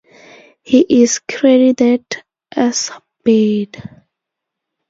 He is credited as 'Bird'.